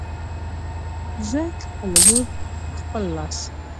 زه خپله لور په خپل لاس